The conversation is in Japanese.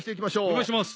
お願いします。